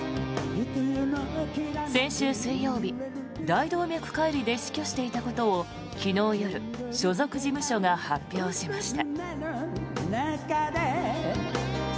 先週水曜日、大動脈解離で死去していたことを昨日夜、所属事務所が発表しました。